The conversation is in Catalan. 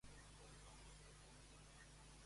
Els altres dos són a Aghvala.